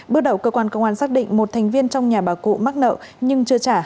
bước đầu cơ quan công an xác định một thành viên trong nhà bà cụ mắc nợ nhưng chưa trả